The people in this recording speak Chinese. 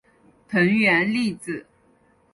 藤原丽子